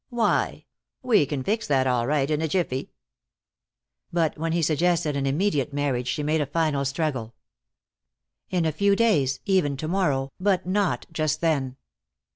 "Why? We can fix that all right in a jiffy." But when he suggested an immediate marriage she made a final struggle. In a few days, even to morrow, but not just then.